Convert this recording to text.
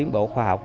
bộ khoa học